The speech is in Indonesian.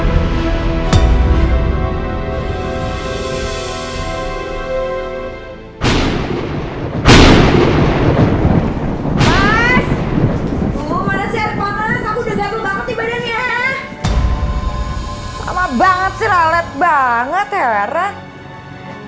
lama banget si lalet banget ya w grasses